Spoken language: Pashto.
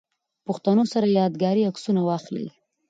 پښتنو سره ياد ګاري عکسونه واخلئ